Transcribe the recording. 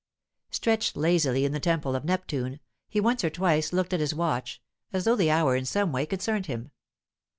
Stretched lazily in the Temple of Neptune, he once or twice looked at his watch, as though the hour in some way concerned him.